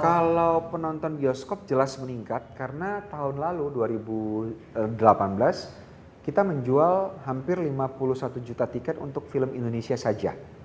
kalau penonton bioskop jelas meningkat karena tahun lalu dua ribu delapan belas kita menjual hampir lima puluh satu juta tiket untuk film indonesia saja